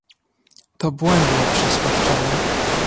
To błędne przeświadczenie